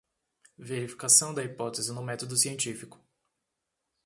Verificação da hipótese no método científico